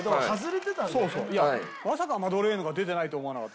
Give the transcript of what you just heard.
まさかマドレーヌが出てないとは思わなかったけど。